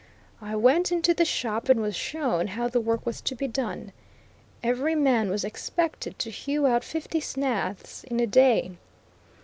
I went into the shop and was shown how the work was to be done. Every man was expected to hew out fifty snaths in a day.